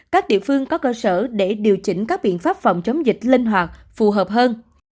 các địa phương có cơ sở để điều chỉnh các biện pháp phòng chống dịch linh hoạt phù hợp hơn